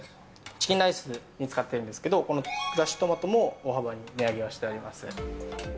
チキンライスに使っているんですけれども、このクラッシュトマトも大幅に値上げをしております。